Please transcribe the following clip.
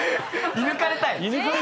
射抜かれたい。